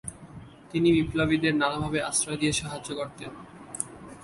তিনি বিপ্লবীদের নানা ভাবে আশ্রয় দিয়ে সাহায্য করতেন।